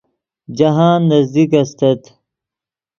جاہند نزدیک استت